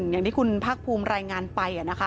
อย่างที่คุณพักภูมิรายงานไป